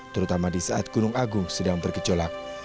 terutama di saat gunung agung sedang bergejolak